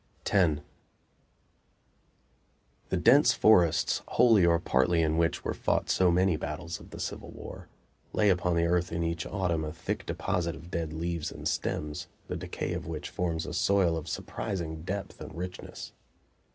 X The dense forests wholly or partly in which were fought so many battles of the Civil War, lay upon the earth in each autumn a thick deposit of dead leaves and stems, the decay of which forms a soil of surprising depth and richness.